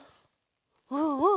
うんうん。